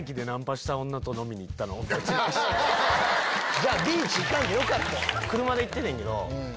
じゃあビーチ行かんでよかったやん。